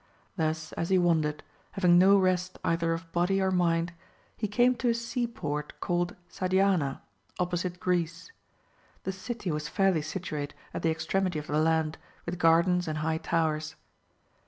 Thus as he wandered, having no rest either of body or mind, he came to a sea port called Sadiana, opposite Greece ; the city was fairly situate at the extremity of the land, with gardens and high towers.